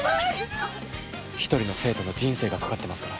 一人の生徒の人生がかかってますから。